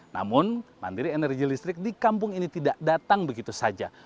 namun mandiri energi listrik di kampung ini tidak datang begitu saja